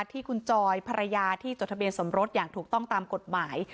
ที่คุณจอยภรรยาที่จดทะเบียนสมรสอย่างถูกต้องตามกฎหมาย